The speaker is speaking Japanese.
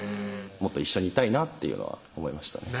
もっと一緒にいたいなというのは思いましたね